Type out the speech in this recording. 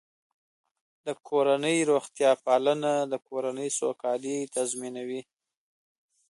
د کورنۍ روغتیا پالنه د کورنۍ سوکالي تضمینوي.